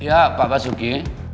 iya pak basuki